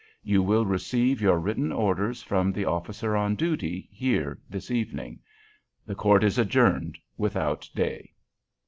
You will receive your written orders from the officer on duty here this evening. The Court is adjourned without day."